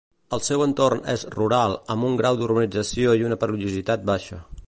El seu entorn és rural, amb un grau d'urbanització i una perillositat baixa.